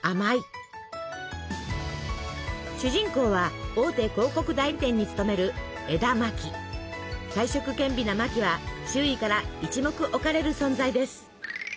主人公は大手広告代理店に勤める才色兼備なマキは周囲から一目置かれる存在です。